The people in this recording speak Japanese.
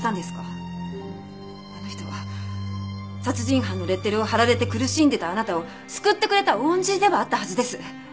あの人は殺人犯のレッテルを貼られて苦しんでたあなたを救ってくれた恩人でもあったはずです。